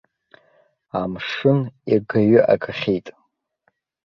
Амшын егаҩы агахьеит.